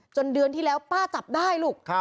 เดือนที่แล้วป้าจับได้ลูก